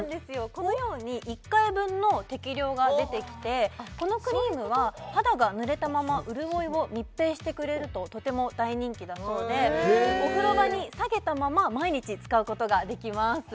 このように１回分の適量が出てきてこのクリームは肌が濡れたまま潤いを密閉してくれるととても大人気だそうでへえお風呂場にさげたまま毎日使うことができます